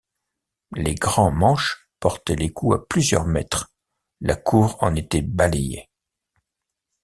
Les grands manches portaient les coups à plusieurs mètres, la cour en était balayée.